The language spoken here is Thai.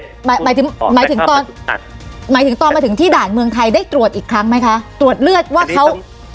หมายถึงหมายถึงตอนหมายถึงตอนมาถึงที่ด่านเมืองไทยได้ตรวจอีกครั้งไหมคะตรวจเลือดว่าเขา